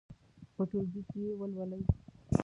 په ټولګي کې یې ولولئ.